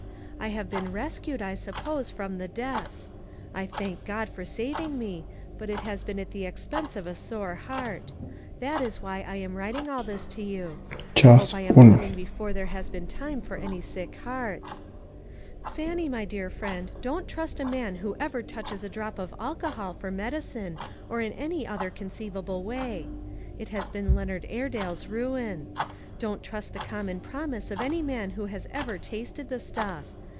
I have been rescued, I sup pose, from the depths. I thank God for saving me, but it has been at the expense of a sore heart. This is why I am writing all this to you. I hope I am coming be fore there has been time for any sick hearts. Fannie, my dear friend, don't trust a man who ever touches a drop of alcohol for medicine, or in any other conceivable way. It has been Leonard Airedale's ruin. Don't trust the common promise of any man who has ever tasted the stuff.